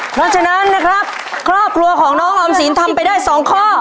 เพราะฉะนั้นนะครับครอบครัวของน้องออมสินทำไปได้๒ข้อ